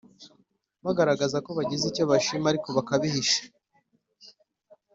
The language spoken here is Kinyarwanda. Bagaragaza ko bagize icyo bashima ariko bakabihisha